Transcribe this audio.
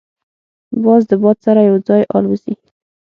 باز د باد سره یو ځای الوزي